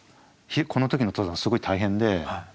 この時の登山すごい大変で。